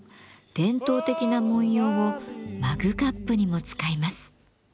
伝統的な文様をマグカップにも使います。